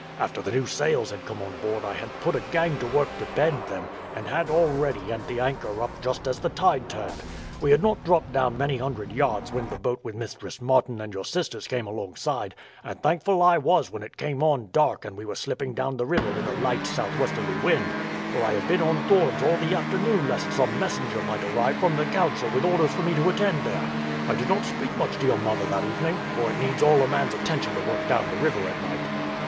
After the new sails had come on board I had put a gang to work to bend them, and had all ready and the anchor up just as the tide turned. We had not dropped down many hundred yards when the boat with Mistress Martin and your sisters came alongside; and thankful I was when it came on dark and we were slipping down the river with a light southwesterly wind, for I had been on thorns all the afternoon lest some messenger might arrive from the council with orders for me to attend there. I did not speak much to your mother that evening, for it needs all a man's attention to work down the river at night.